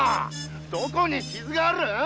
どこに傷がある？